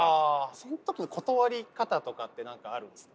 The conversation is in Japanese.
その時の断り方とかって何かあるんですか？